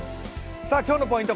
今日のポイント